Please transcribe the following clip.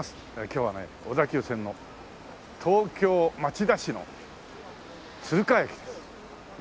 今日はね小田急線の東京町田市の鶴川駅です。